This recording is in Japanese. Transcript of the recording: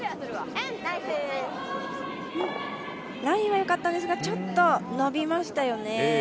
ラインはよかったですが、ちょっと伸びましたよね。